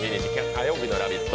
火曜日の「ラヴィット！」。